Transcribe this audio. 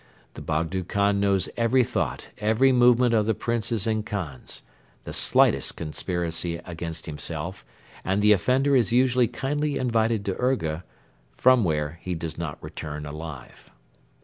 The Bogdo Khan knows every thought, every movement of the Princes and Khans, the slightest conspiracy against himself, and the offender is usually kindly invited to Urga, from where he does not return alive.